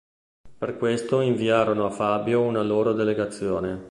Per questo inviarono a Fabio una loro delegazione.